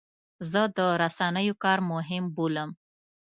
زه د رسنیو کار مهم بولم.